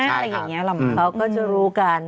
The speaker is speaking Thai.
อะไรอย่างนี้เขาก็จะรู้กัน